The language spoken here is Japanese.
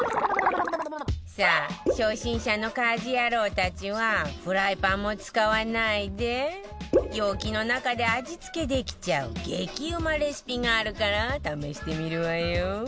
さあ初心者の家事ヤロウたちはフライパンも使わないで容器の中で味付けできちゃう激うまレシピがあるから試してみるわよ